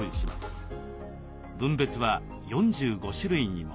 分別は４５種類にも。